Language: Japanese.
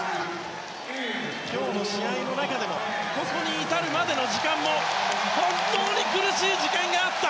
今日の試合の中でもここに至るまでの時間も本当に苦しい時間があった。